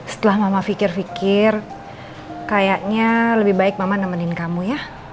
setelah mama pikir pikir kayaknya lebih baik mama nemenin kamu ya